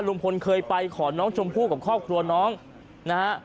ลุงพลเคยไปขอน้องชมพู่กับครอบครัวน้องนะฮะ